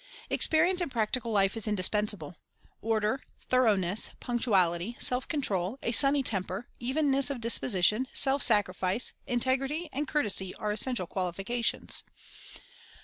Experience in practical life is indispensable. Order, thoroughness, punctuality, self control, a sunny temper, evenness of disposition, self sacrifice, integrity, and cour tesy are essential qualifications.